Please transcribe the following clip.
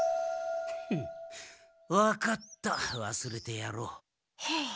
フンわかったわすれてやろう。ホッ。